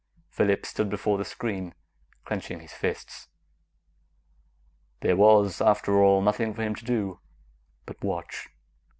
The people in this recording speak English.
Phillips stood before the screen, clenching his fists. There was, after all, nothing for him to do but watch.